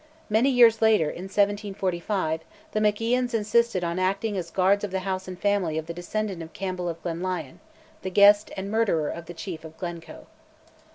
Many years later, in 1745, the MacIans insisted on acting as guards of the house and family of the descendant of Campbell of Glenlyon, the guest and murderer of the chief of Glencoe.